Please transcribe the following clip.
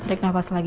tarik nafas lagi